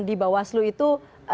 di bawaslu itu